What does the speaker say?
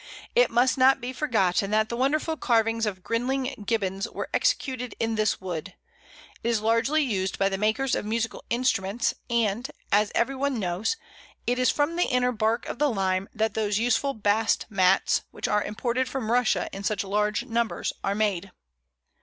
It must not be forgotten that the wonderful carvings of Grinling Gibbons were executed in this wood. It is largely used by the makers of musical instruments; and, as every one knows, it is from the inner bark of the Lime that those useful bast mats, which are imported from Russia in such large numbers, are made.